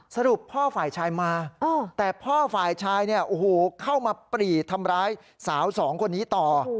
สรุปพ่อฝ่ายชายมาแต่พ่อฝ่ายชายเนี่ยโอ้โหเข้ามาปรีดทำร้ายสาวสองคนนี้ต่อ